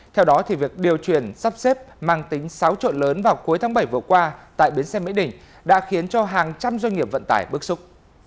theo đó việc điều chuyển sắp xếp mang tính sáu chỗ lớn vào cuối tháng bảy vừa qua tại biến xe mỹ đình đã khiến cho hàng trăm doanh nghiệp vận tải bước xúc